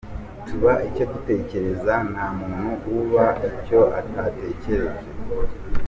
Tuba icyo dutekereza, nta muntu uba icyo atatekereje.